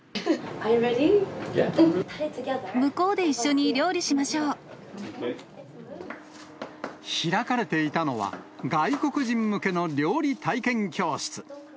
向こうで一緒に料理しましょ開かれていたのは、外国人向けの料理体験教室。